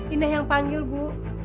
ina yang panggil bu